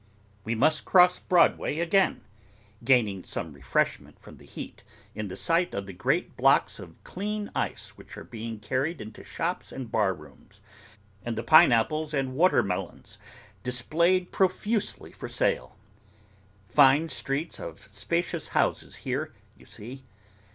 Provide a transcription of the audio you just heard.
We must cross Broadway again; gaining some refreshment from the heat, in the sight of the great blocks of clean ice which are being carried into shops and bar rooms; and the pine apples and water melons profusely displayed for sale. Fine streets of spacious houses here, you see!